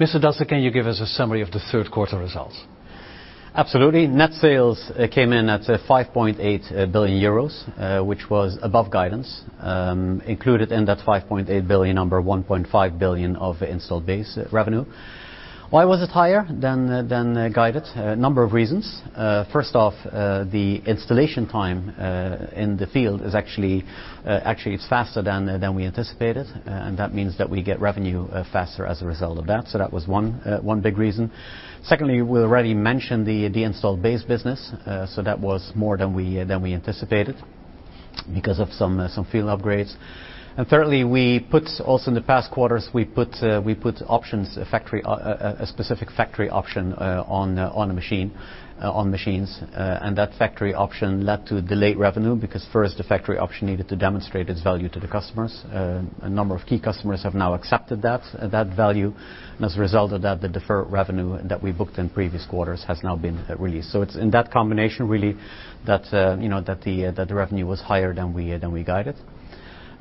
Mr. Dassen, can you give us a summary of the third quarter results? Absolutely. Net sales came in at 5.8 billion euros, which was above guidance. Included in that 5.8 billion number, 1.5 billion of installed base revenue. Why was it higher than guided? A number of reasons. First off, the installation time in the field is actually faster than we anticipated, and that means that we get revenue faster as a result of that, so that was one big reason. Secondly, we already mentioned the installed base business, so that was more than we anticipated because of some field upgrades. Thirdly, also in the past quarters, we put options, a specific factory option, on a machine on machines. That factory option led to delayed revenue because first the factory option needed to demonstrate its value to the customers. A number of key customers have now accepted that value, and as a result of that, the deferred revenue that we booked in previous quarters has now been released. It's in that combination really that you know that the revenue was higher than we guided.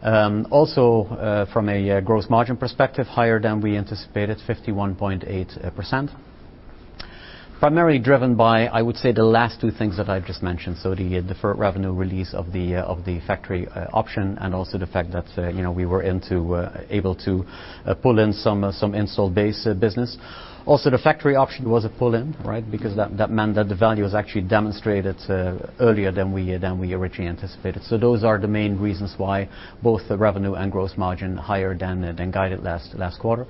Also, from a gross margin perspective, higher than we anticipated, 51.8%. Primarily driven by, I would say, the last two things that I've just mentioned, so the deferred revenue release of the factory option and also the fact that you know we were able to pull in some installed base business. The factory option was a pull-in, right? Because that meant that the value was actually demonstrated earlier than we originally anticipated. Those are the main reasons why both the revenue and gross margin higher than guided last quarter.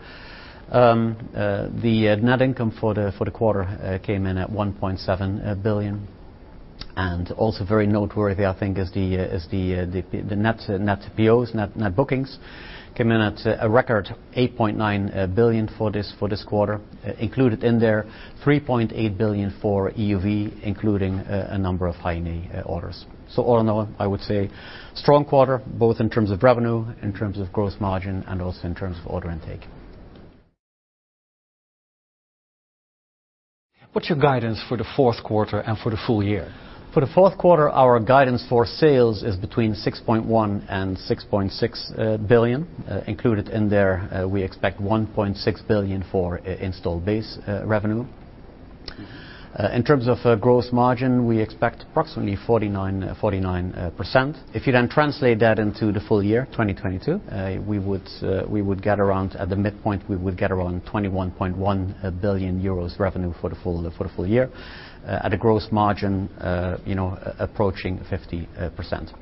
The net income for the quarter came in at 1.7 billion. Also very noteworthy I think is the net bookings came in at a record 8.9 billion for this quarter. Included in there, 3.8 billion for EUV, including a number of High NA orders. All in all, I would say strong quarter, both in terms of revenue, in terms of gross margin, and also in terms of order intake. What's your guidance for the fourth quarter and for the full year? For the fourth quarter, our guidance for sales is between 6.1 billion and 6.6 billion. Included in there, we expect 1.6 billion for installed base revenue. In terms of gross margin, we expect approximately 49%. If you then translate that into the full year, 2022, we would get around. At the midpoint, we would get around 21.1 billion euros revenue for the full year at a gross margin, you know, approaching 50%.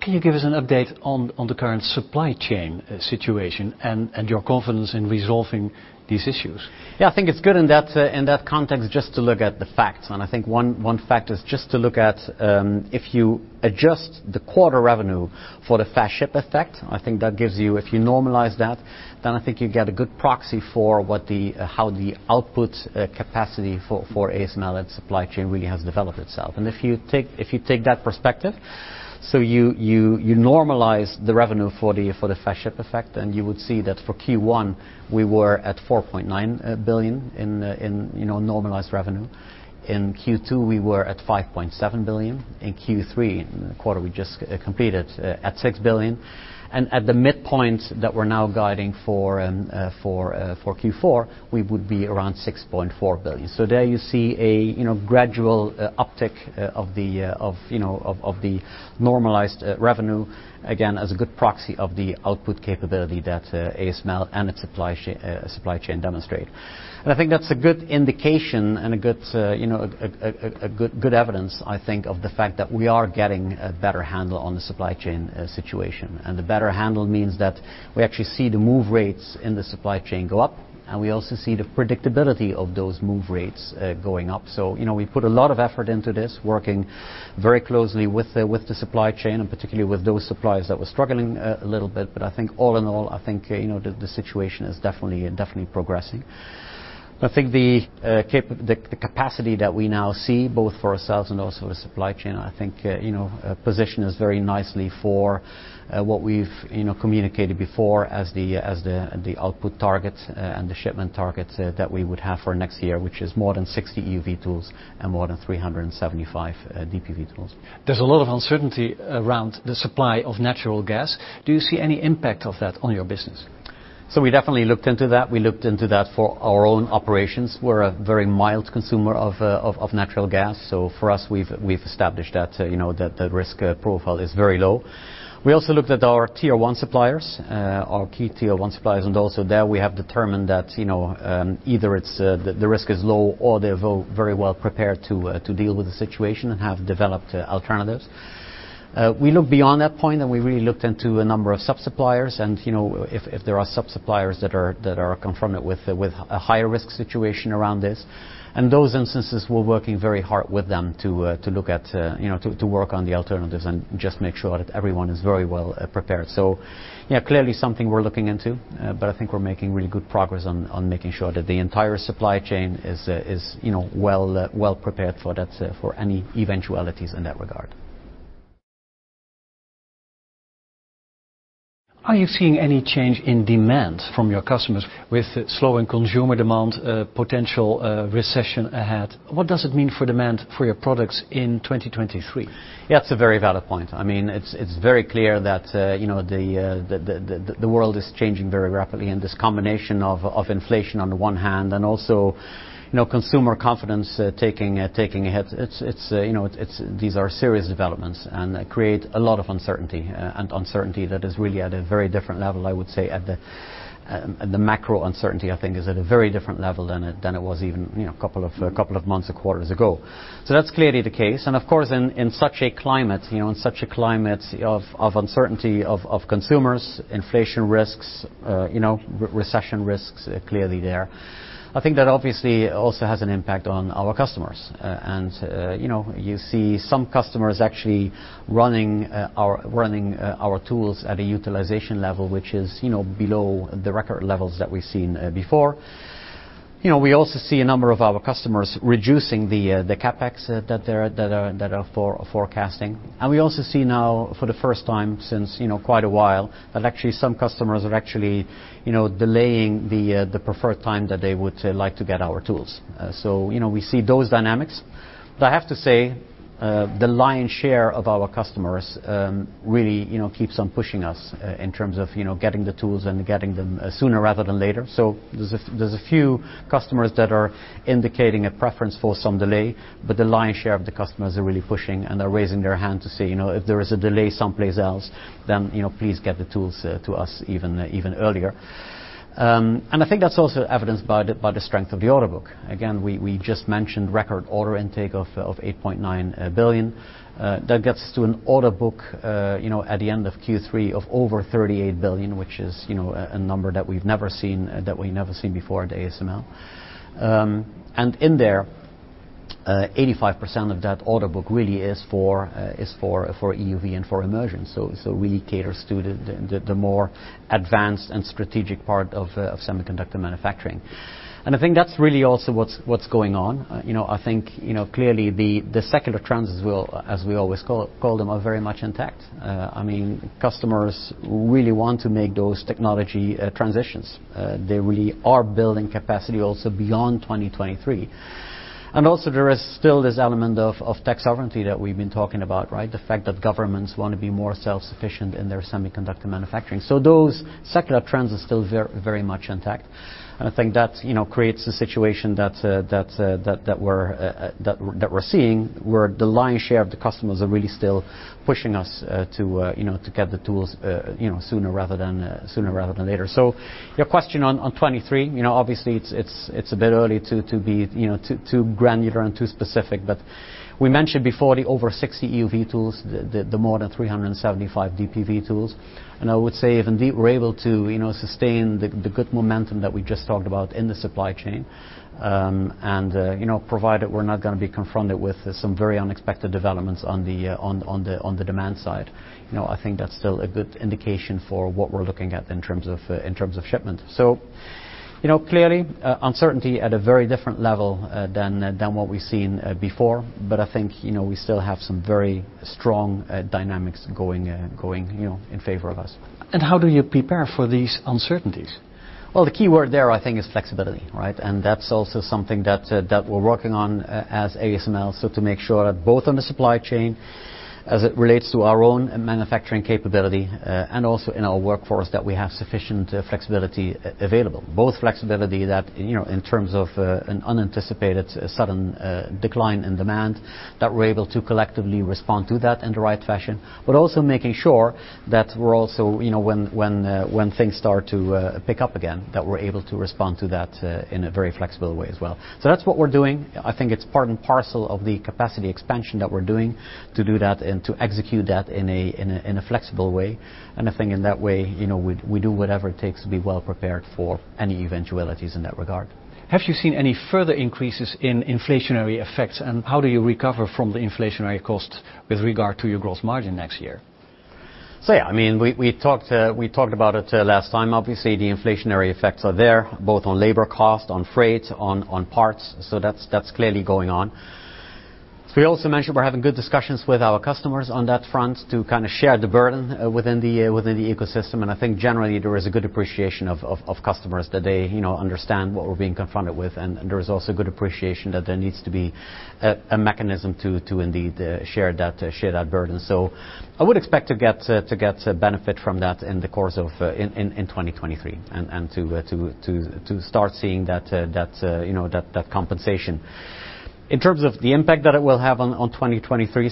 Can you give us an update on the current supply chain situation and your confidence in resolving these issues? Yeah, I think it's good in that context just to look at the facts. I think one fact is just to look at if you adjust the quarter revenue for the fast shipment effect. I think that gives you. If you normalize that, then I think you get a good proxy for how the output capacity for ASML and supply chain really has developed itself. If you take that perspective, so you normalize the revenue for the fast shipment effect, and you would see that for Q1, we were at 4.9 billion in normalized revenue. In Q2, we were at 5.7 billion. In Q3, in the quarter we just completed, at 6 billion. At the midpoint that we're now guiding for Q4, we would be around 6.4 billion. There you see a gradual uptick of the normalized revenue, again, as a good proxy of the output capability that ASML and its supply chain demonstrate. I think that's a good indication and a good evidence, I think, of the fact that we are getting a better handle on the supply chain situation. The better handle means that we actually see the move rates in the supply chain go up, and we also see the predictability of those move rates going up. You know, we put a lot of effort into this, working very closely with the supply chain, and particularly with those suppliers that were struggling a little bit. I think all in all, I think you know, the situation is definitely definitely progressing. I think the capacity that we now see both for ourselves and also the supply chain, I think you know positions very nicely for what we've you know, communicated before as the output targets and the shipment targets that we would have for next year, which is more than 60 EUV tools and more than 375 DUV tools. There's a lot of uncertainty around the supply of natural gas. Do you see any impact of that on your business? We definitely looked into that. We looked into that for our own operations. We're a very mild consumer of natural gas, so for us, we've established that you know that the risk profile is very low. We also looked at our tier one suppliers, our key tier one suppliers, and also there we have determined that you know either it's the risk is low or they're very well prepared to deal with the situation and have developed alternatives. We look beyond that point, and we really looked into a number of sub-suppliers and you know if there are sub-suppliers that are confronted with a higher risk situation around this. In those instances, we're working very hard with them to look at, you know, to work on the alternatives and just make sure that everyone is very well prepared. Yeah, clearly something we're looking into, but I think we're making really good progress on making sure that the entire supply chain is, you know, well prepared for that, for any eventualities in that regard. Are you seeing any change in demand from your customers with slowing consumer demand, potential recession ahead? What does it mean for demand for your products in 2023? Yeah, it's a very valid point. I mean, it's very clear that, you know, the world is changing very rapidly, and this combination of inflation on the one hand, and also, you know, consumer confidence taking a hit. You know, these are serious developments, and create a lot of uncertainty, and uncertainty that is really at a very different level. The macro uncertainty I think is at a very different level than it was even, you know, a couple of months or quarters ago. That's clearly the case, and of course, in such a climate of uncertainty, consumer inflation risks, recession risks, clearly there, I think that obviously also has an impact on our customers. You know, you see some customers actually running our tools at a utilization level which is, you know, below the record levels that we've seen before. You know, we also see a number of our customers reducing the CapEx that they're forecasting. We also see now for the first time since, you know, quite a while, that actually some customers are actually delaying the preferred time that they would say like to get our tools. You know, we see those dynamics. I have to say, the lion's share of our customers, really, you know, keeps on pushing us, in terms of, you know, getting the tools and getting them, sooner rather than later. There's a few customers that are indicating a preference for some delay, but the lion's share of the customers are really pushing, and they're raising their hand to say, you know, "If there is a delay someplace else, then, you know, please get the tools to us even earlier." I think that's also evidenced by the strength of the order book. Again, we just mentioned record order intake of 8.9 billion. That gets to an order book, you know, at the end of Q3 of over 38 billion, which is, you know, a number that we've never seen before at ASML. In there, 85% of that order book really is for EUV and for immersion. We cater to the more advanced and strategic part of semiconductor manufacturing. I think that's really also what's going on. You know, I think, you know, clearly the secular trends as well, as we always call them, are very much intact. I mean, customers really want to make those technology transitions. They really are building capacity also beyond 2023. Also there is still this element of tech sovereignty that we've been talking about, right? The fact that governments want to be more self-sufficient in their semiconductor manufacturing. Those secular trends are still very much intact. I think that you know creates a situation that's that we're seeing, where the lion's share of the customers are really still pushing us to you know to get the tools you know sooner rather than later. Your question on 2023 you know obviously it's a bit early to be you know too granular and too specific, but we mentioned before the over 60 EUV tools, the more than 375 DUV tools. I would say if indeed we're able to, you know, sustain the good momentum that we just talked about in the supply chain, and, you know, provided we're not gonna be confronted with some very unexpected developments on the demand side, you know, I think that's still a good indication for what we're looking at in terms of shipment. You know, clearly, uncertainty at a very different level than what we've seen before. I think, you know, we still have some very strong dynamics going, you know, in favor of us. How do you prepare for these uncertainties? Well, the keyword there I think is flexibility, right? That's also something that we're working on as ASML. To make sure that both on the supply chain as it relates to our own manufacturing capability, and also in our workforce that we have sufficient flexibility available. Both flexibility that, you know, in terms of an unanticipated sudden decline in demand, that we're able to collectively respond to that in the right fashion. Also making sure that we're also, you know, when things start to pick up again, that we're able to respond to that in a very flexible way as well. That's what we're doing. I think it's part and parcel of the capacity expansion that we're doing to do that and to execute that in a flexible way. I think in that way, you know, we do whatever it takes to be well prepared for any eventualities in that regard. Have you seen any further increases in inflationary effects, and how do you recover from the inflationary costs with regard to your gross margin next year? Yeah, I mean, we talked about it last time. Obviously, the inflationary effects are there, both on labor cost, on freight, on parts, so that's clearly going on. We also mentioned we're having good discussions with our customers on that front to kind of share the burden within the ecosystem, and I think generally there is a good appreciation of customers that they, you know, understand what we're being confronted with, and there is also good appreciation that there needs to be a mechanism to indeed share that burden. I would expect to get benefit from that in the course of 2023, and to start seeing that, you know, that compensation. In terms of the impact that it will have on 2023,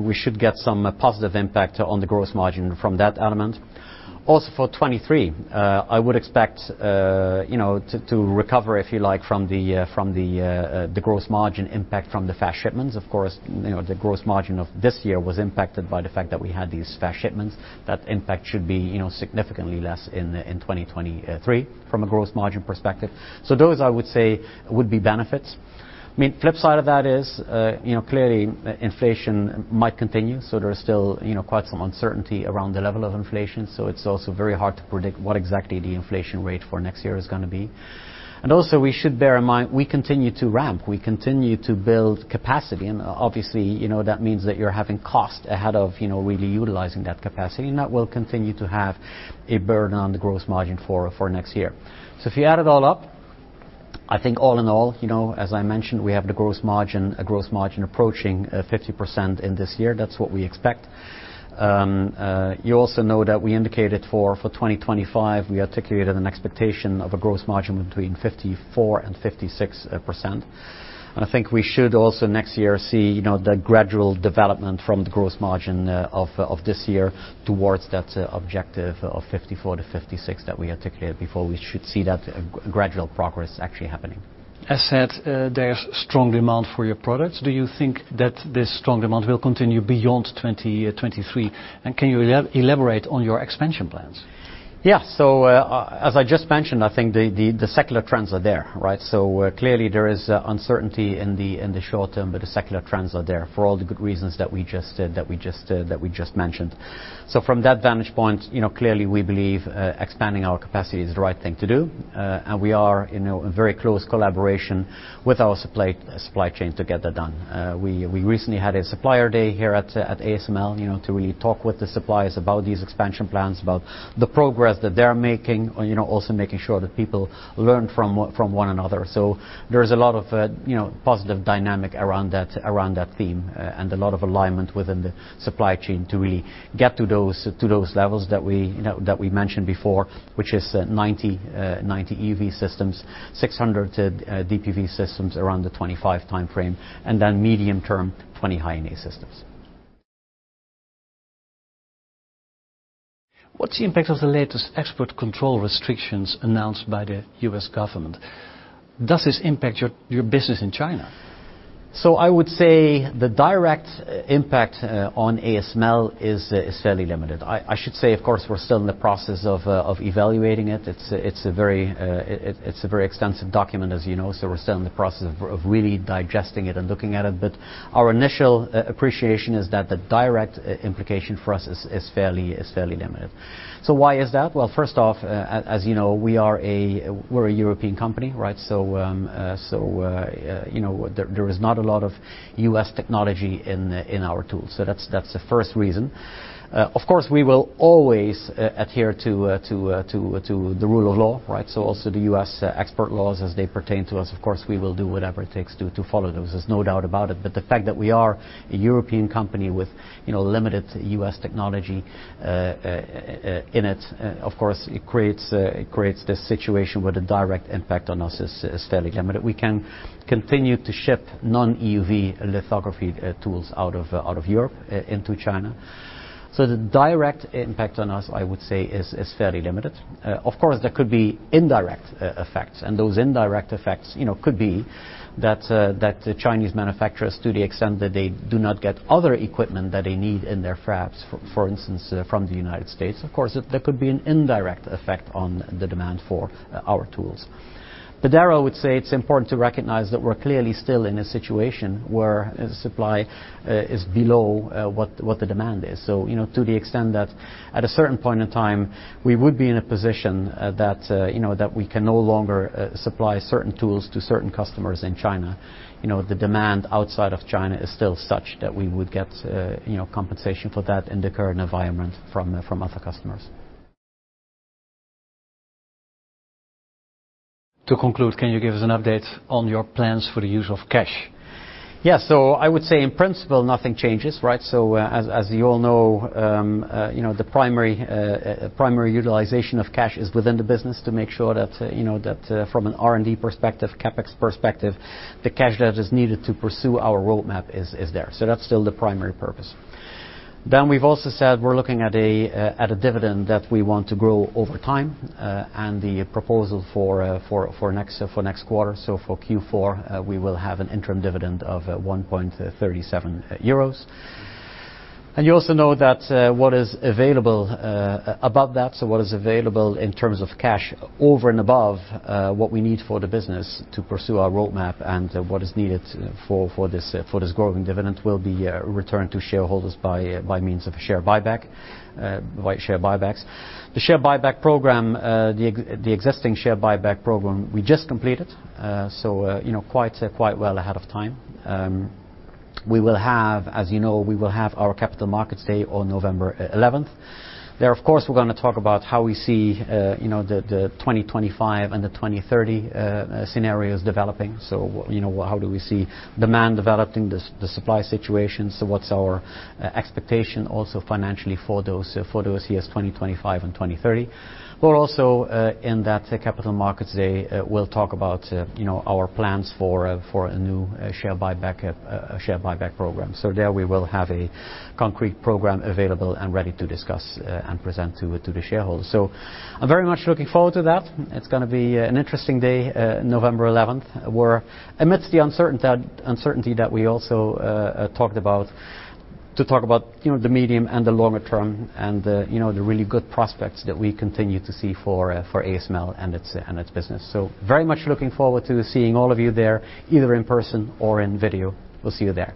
we should get some positive impact on the gross margin from that element. Also for 2023, I would expect, you know, to recover, if you like, from the gross margin impact from the fast shipments. Of course, you know, the gross margin of this year was impacted by the fact that we had these fast shipments. That impact should be, you know, significantly less in 2023 from a gross margin perspective. Those, I would say, would be benefits. I mean, flip side of that is, you know, clearly inflation might continue, so there is still, you know, quite some uncertainty around the level of inflation. It's also very hard to predict what exactly the inflation rate for next year is gonna be. Also we should bear in mind, we continue to ramp. We continue to build capacity, and obviously, you know, that means that you're having cost ahead of, you know, really utilizing that capacity, and that will continue to have a burden on the gross margin for next year. If you add it all up. I think all in all, you know, as I mentioned, we have the gross margin, a gross margin approaching 50% in this year. That's what we expect. You also know that we indicated for 2025, we articulated an expectation of a gross margin between 54% and 56%. I think we should also next year see, you know, the gradual development from the gross margin of this year towards that objective of 54%-56% that we articulated before. We should see that gradual progress actually happening. As said, there's strong demand for your products. Do you think that this strong demand will continue beyond 2023, and can you elaborate on your expansion plans? Yeah. As I just mentioned, I think the secular trends are there, right? Clearly there is uncertainty in the short term, but the secular trends are there for all the good reasons that we just mentioned. From that vantage point, you know, clearly we believe expanding our capacity is the right thing to do. We are, you know, in very close collaboration with our supply chain to get that done. We recently had a supplier day here at ASML, you know, to really talk with the suppliers about these expansion plans, about the progress that they're making, and, you know, also making sure that people learn from one another. There's a lot of, you know, positive dynamic around that theme, and a lot of alignment within the supply chain to really get to those levels that we, you know, that we mentioned before, which is 90 EUV systems, 600 DUV systems around the 2025 timeframe, and then medium term, 20 High NA systems. What's the impact of the latest Export Administration Regulations announced by the U.S. government? Does this impact your business in China? I would say the direct impact on ASML is fairly limited. I should say, of course, we're still in the process of evaluating it. It's a very extensive document, as you know, so we're still in the process of really digesting it and looking at it. Our initial appreciation is that the direct implication for us is fairly limited. Why is that? Well, first off, as you know, we're a European company, right? You know, there is not a lot of U.S. technology in our tools. That's the first reason. Of course, we will always adhere to the rule of law, right? Also the U.S. export laws as they pertain to us, of course, we will do whatever it takes to follow those. There's no doubt about it. The fact that we are a European company with, you know, limited U.S. technology in it, of course, it creates this situation where the direct impact on us is fairly limited. We can continue to ship non-EUV lithography tools out of Europe into China. The direct impact on us, I would say, is fairly limited. Of course, there could be indirect effects, and those indirect effects, you know, could be that the Chinese manufacturers, to the extent that they do not get other equipment that they need in their fabs, for instance, from the United States, of course there could be an indirect effect on the demand for our tools. There I would say it's important to recognize that we're clearly still in a situation where supply is below what the demand is. You know, to the extent that at a certain point in time, we would be in a position that we can no longer supply certain tools to certain customers in China. You know, the demand outside of China is still such that we would get, you know, compensation for that in the current environment from other customers. To conclude, can you give us an update on your plans for the use of cash? Yeah. I would say in principle, nothing changes, right? As you all know, you know, the primary utilization of cash is within the business to make sure that you know that from an R&D perspective, CapEx perspective, the cash that is needed to pursue our roadmap is there. That's still the primary purpose. We've also said we're looking at a dividend that we want to grow over time, and the proposal for next quarter, so for Q4, we will have an interim dividend of 1.37 euros. You also know that what is available above that, so what is available in terms of cash over and above what we need for the business to pursue our roadmap and what is needed for this growing dividend will be returned to shareholders by means of a share buyback, by share buybacks. The existing share buyback program we just completed, so you know quite well ahead of time. We will have, as you know, our Capital Markets Day on November 11th. There, of course, we're gonna talk about how we see the 2025 and the 2030 scenarios developing. You know, how do we see demand developing, the supply situation, so what's our expectation also financially for those years, 2025 and 2030. We'll also, in that Capital Markets Day, we'll talk about, you know, our plans for a new share buyback program. There we will have a concrete program available and ready to discuss and present to the shareholders. I'm very much looking forward to that. It's gonna be an interesting day, November 11, where amidst the uncertainty that we also talked about, to talk about, you know, the medium and the longer term and the, you know, the really good prospects that we continue to see for ASML and its business. Very much looking forward to seeing all of you there, either in person or in video. We'll see you there.